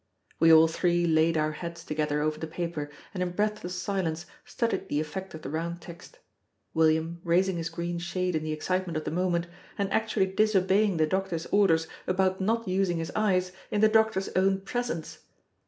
We all three laid our heads together over the paper, and in breathless silence studied the effect of the round text: William raising his green shade in the excitement of the moment, and actually disobeying the doctor's orders about not using his eyes, in the doctor's own presence!